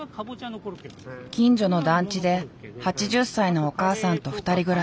近所の団地で８０歳のお母さんと２人暮らし。